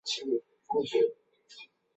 民国三十一年病逝。